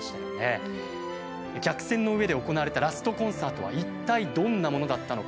客船の上で行われたラストコンサートは一体どんなものだったのか。